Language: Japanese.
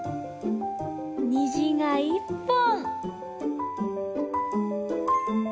にじが一本！